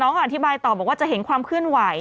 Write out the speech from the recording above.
อธิบายต่อบอกว่าจะเห็นความเคลื่อนไหว